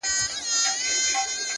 چت يم نړېږمه د عمر چي آخره ده اوس!